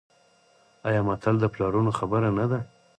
آیا متل د پلرونو خبره نه ده؟